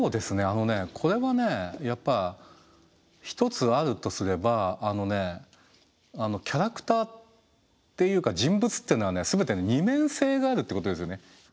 あのねこれはねやっぱ一つあるとすればキャラクターっていうか人物っていうのはね全て二面性があるっていうことですよね。